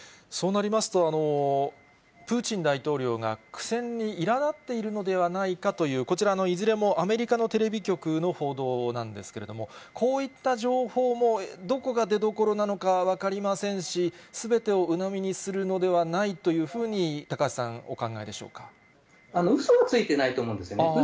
そうなりますと、プーチン大統領が苦戦にいらだっているのではないかという、こちらのいずれも、アメリカのテレビ局の報道なんですけれども、こういった情報もどこが出どころなのか、分かりませんし、すべてをうのみにするのではないというふうに、高橋さん、お考えでしょうそはついてないと思うんですよね。